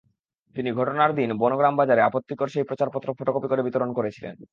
তিনি ঘটনার দিন বনগ্রাম বাজারে আপত্তিকর সেই প্রচারপত্র ফটোকপি করে বিতরণ করেছিলেন।